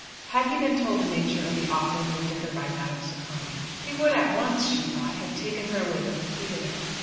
Had he been told the nature of the offer made to her by Madame Socani, he would at once, she thought, have taken her away from the theatre.